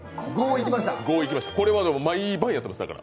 これは毎晩やってます、だから。